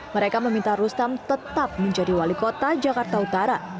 mereka meminta rustam tetap menjadi wali kota jakarta utara